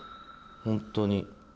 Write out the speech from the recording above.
本当に。